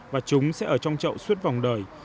và chúng sẽ ở trong chậu suốt vòng đời